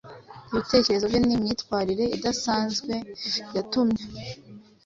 Ibitekerezo bye n’imyitwarire idasanzwe yatumye